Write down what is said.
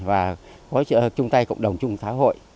và có trung tay cộng đồng chung xã hội